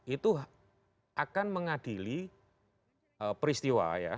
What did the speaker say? itu akan mengadili peristiwa ya